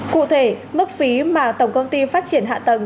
cụ thể mức phí mà tổng công ty phát triển hạ tầng